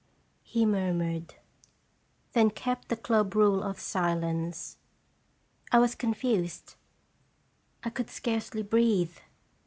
he murmured; then kept the club rule of silence. 1 was confused. I could scarcely breathe.